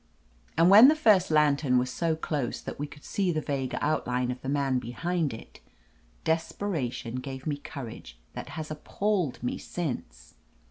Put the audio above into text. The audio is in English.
And when the first lantern was so close that we could see a vague outline of the 325 THE AMAZING ADVENTURES man behind it, desperation gave me a courage that has appalled me since.